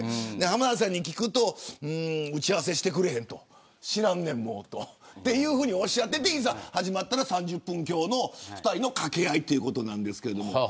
浜田さんに聞くと打ち合わせしてくれへんと知らんねんとおっしゃってていざ始まると３０分強の２人の掛け合いということなんですけれど。